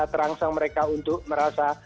terangsang mereka untuk merasa